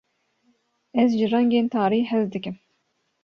Ez ji rengên tarî hez dikim.